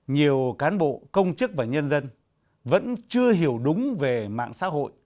nhiều cán bộ công chức và nhân dân vẫn chưa hiểu đúng về mạng xã hội